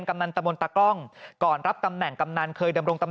นี่ในระยะเวลาไม่กี่ปีนี่ก็จะมีภาพถ่ายออกมาเยอะมากนะครับ